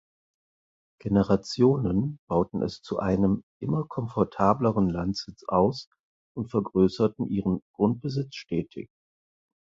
Generationen bauten es zu einem immer komfortableren Landsitz aus und vergrößerten ihren Grundbesitz stetig.